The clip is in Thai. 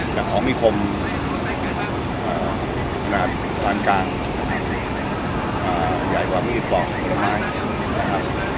แต่ของมีคมหนาดกลางกลางใหญ่กว่ามีปลอกอย่างน้อยนะครับ